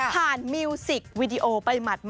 ผ่านมิวสิควีดีโอไปหมัดเลย